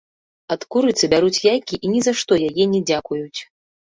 Ад курыцы бяруць яйкі і ні за што яе не дзякуюць.